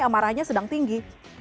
amaranya sedang tinggi